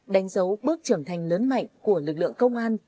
đánh dấu bước trưởng thành lớn mạnh của lực lượng công an